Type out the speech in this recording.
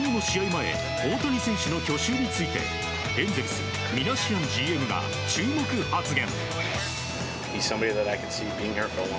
前大谷選手の去就についてエンゼルス、ミナシアンＧＭが注目発言。